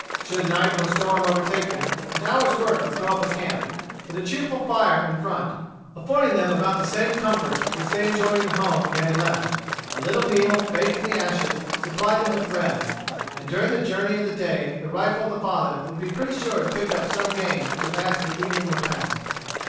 Should night or storm overtake them, an hour's work would throw up a camp, with a cheerful fire in front, affording them about the same cohorts which they enjoyed in the home they had left. A little meal, baked in the ashes, supplied them with bread. And during the journey of the day the rifle of the father would be pretty sure to pick up some game to add to the evening repast.